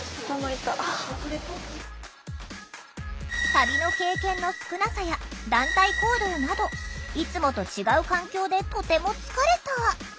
旅の経験の少なさや団体行動などいつもと違う環境でとても疲れた。